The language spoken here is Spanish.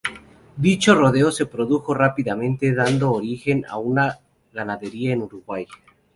Dicho rodeo se reprodujo rápidamente, dando origen a la ganadería en Uruguay.